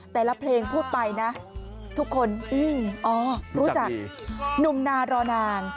แต่ละเพลงพูดไปนะทุกคนอ๋อรู้จักหนุ่มนารอนาง